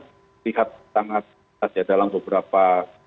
terlihat sangat saja dalam beberapa